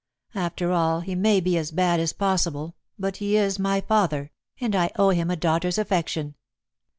After all he may be as bad as possible; but he is my father, and I owe him a daughter's affection."